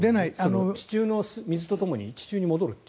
地中の水とともに地中に戻ると。